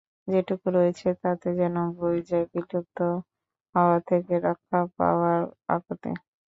যেটুকু রয়েছে তাতে যেন বয়ে যায় বিলুপ্ত হওয়া থেকে রক্ষা পাওয়ার আকুতি।